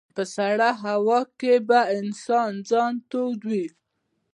په سړه هوا کې به انسان ځان توداوه.